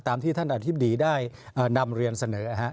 ที่ท่านอธิบดีได้นำเรียนเสนอ